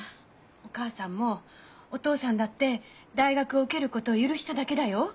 お母さんもお父さんだって大学を受けることを許しただけよ。